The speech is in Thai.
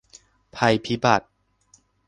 ภัยพิบัติ